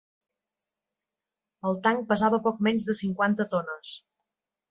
El tanc pesava poc menys de cinquanta tones.